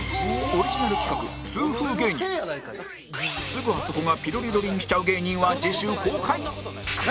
すぐあそこがピロリロリンしちゃう芸人は次週公開